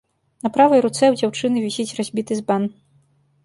На правай руцэ ў дзяўчыны вісіць разбіты збан.